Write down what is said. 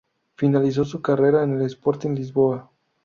Finalizó su carrera en el Sporting Lisboa.